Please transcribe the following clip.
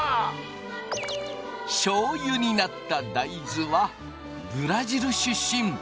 しょうゆになった大豆はブラジル出身！